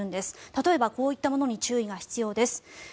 例えばこういったものに注意が必要です。